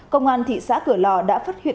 công an thị xã cửa lò đã phát huyệt